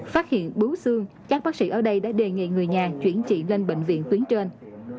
phát hiện bú xương các bác sĩ ở đây đã đề nghị người nhà chuyển chị lên bệnh viện tuyến trên